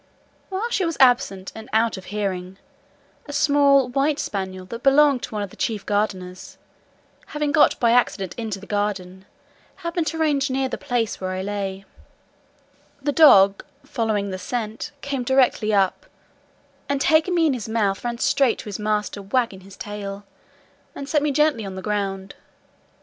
While she was absent, and out of hearing, a small white spaniel that belonged to one of the chief gardeners, having got by accident into the garden, happened to range near the place where I lay: the dog, following the scent, came directly up, and taking me in his mouth, ran straight to his master wagging his tail, and set me gently on the ground.